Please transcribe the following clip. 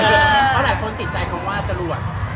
เพราะว่าหลายคนติดใจว่าจะรวด